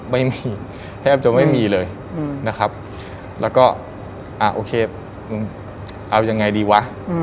ไม่มีแทบจะไม่มีเลยนะครับแล้วก็อ่าโอเคเอายังไงดีวะ